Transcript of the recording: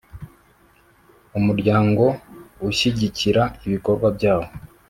umuryango ushyigikira ibikorwa byawo